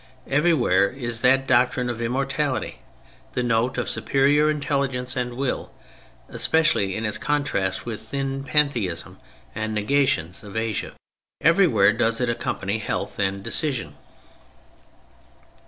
Everywhere is that doctrine of immortality the note of superior intelligence and will, especially in its contrast with the thin pantheism and negations of Asia. Everywhere does it accompany health and decision.